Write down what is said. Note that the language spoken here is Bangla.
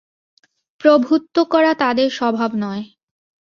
প্রভুত্ব করা তাদের স্বভাব নয়।